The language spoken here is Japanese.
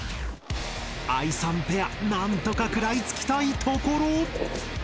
あいさんペアなんとか食らいつきたいところ！